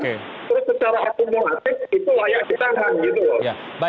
terus secara akumulatif itu layak ditahan gitu loh